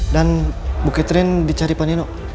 dan bu katrin dicari pak nino